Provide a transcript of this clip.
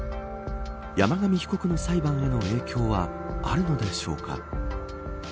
山上被告の裁判への影響はあるのでしょうか。